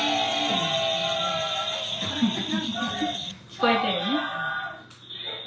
聞こえてるよね。